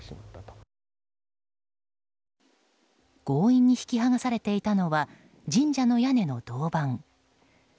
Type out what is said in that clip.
強引に引き剥がされていたのは神社の屋根の銅板。